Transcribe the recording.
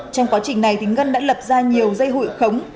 trong quá trình này ngân đã lập ra nhiều dây hụi khống